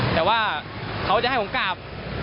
แต่ว่าเขาจะให้ผมกลับ